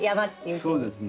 そうですね。